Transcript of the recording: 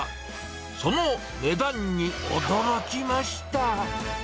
その値段に驚きました。